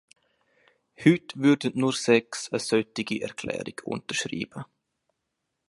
Heute würden nur sechs eine solche Erklärung unterschreiben.